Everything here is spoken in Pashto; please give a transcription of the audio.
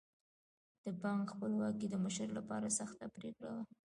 د بانک خپلواکي د مشر لپاره سخته پرېکړه وه.